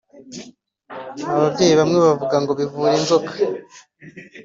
ababyeyi bamwe bavuga ngo bivura inzoka